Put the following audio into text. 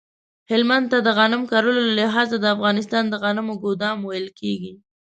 هلمند ته د غنم کرلو له لحاظه د افغانستان د غنمو ګدام ویل کیږی